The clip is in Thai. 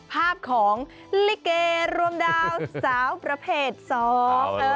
ภาพของลิเกร์รวมดาวน์สาวประเภทซอฟเตอร์